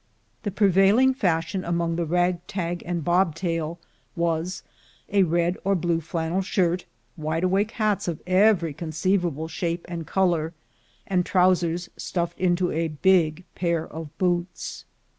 The prevailing fashion among the rag tag and bobtail was a red or blue flannel shirt, wide awake hats of every conceivable shape and color, and trousers stuffed into a big pair of boots.